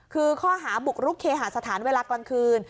คือข้อหาบุกรุกเคหาสถานเวลากลางคืน